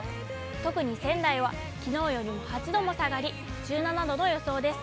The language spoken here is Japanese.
特に仙台は、きのうよりも８度も下がり、１７度の予想です。